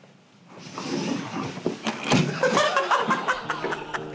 ハハハハハ！